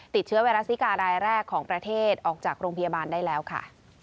ติดเชื้อไวรัสซิการายแรกของประเทศออกจากโรงพยาบาลได้แล้วค่ะ